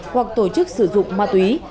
hoặc tổ chức sử dụng ma túy